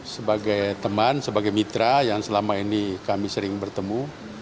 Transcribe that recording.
sebagai teman sebagai mitra yang selama ini kami sering bertemu